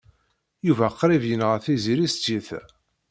Yuba qrib yenɣa Tiziri s tyita.